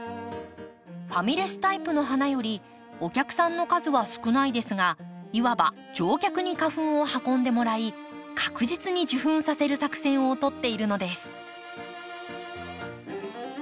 ファミレスタイプの花よりお客さんの数は少ないですがいわば常客に花粉を運んでもらい確実に受粉させる作戦を取っているのです。